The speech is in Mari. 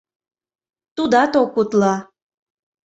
Тудат ок утло.